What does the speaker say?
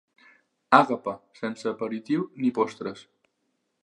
Àgape sense aperitiu ni postres.